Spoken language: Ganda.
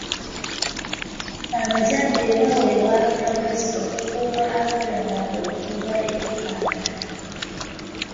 Abazadde baweebwa amagezi okukuuma abaana baabwe okuva eri abalabe.